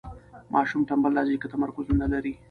ماشوم ټنبل راځي که تمرکز ونلري.